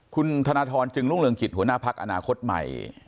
คุณธนทรจึงรุ่งเรืองกิจหัวหน้าพักอนาคตใหม่